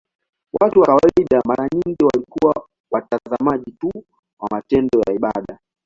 Watu wa kawaida mara nyingi walikuwa watazamaji tu wa matendo ya ibada.